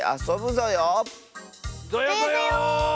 ぞよぞよ。